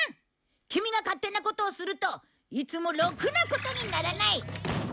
キミが勝手なことをするといつもろくなことにならない！